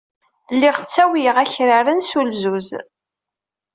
Lliɣ ttawyeɣ akraren s ulzuz.